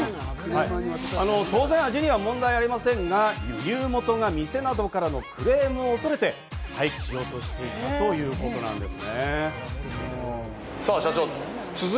当然、味には問題ありませんが、店などからのクレームを恐れて、廃棄しようとしたということです。